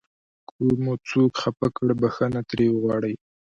که مو څوک خفه کړ بښنه ترې وغواړئ.